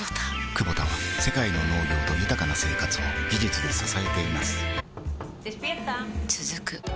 クボタは世界の農業と豊かな生活を技術で支えています起きて。